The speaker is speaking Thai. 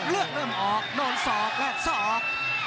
เลือกเริ่มออกโดนสอกและสอก